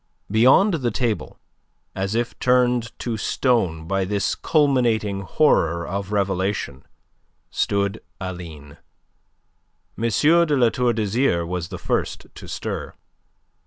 Beyond the table, as if turned to stone by this culminating horror of revelation, stood Aline. M. de La Tour d'Azyr was the first to stir.